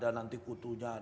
dan nanti kutunya ada